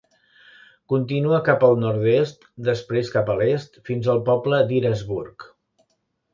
Continua cap al nord-est, després cap a l'est fins al poble d'Irasburg.